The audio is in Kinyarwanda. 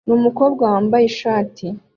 numukobwa wambaye ishati